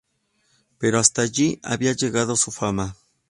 Pero hasta allí había llegado su fama.